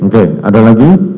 oke ada lagi